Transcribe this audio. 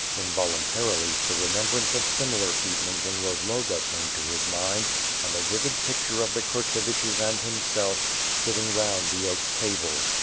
Invol untarily, the remembrance of similar evenings in Bozloga came to his mind, and a vivid picture of the Kurtseviches and himself,' sitting round the oak* table.